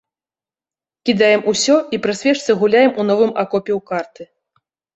Кідаем усё і пры свечцы гуляем у новым акопе ў карты.